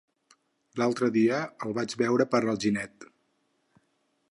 L'altre dia el vaig veure per Alginet.